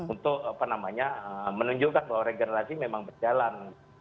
untuk menunjukkan bahwa regenerasi memang berjalan